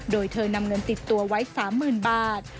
โดยเธอนำเงินติดตัวไว้๓๐๐๐บาท